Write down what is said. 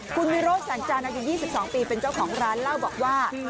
คุณวิโรธแสงจานอายุ๒๒ปีเป็นเจ้าของร้านเล่าบอกว่า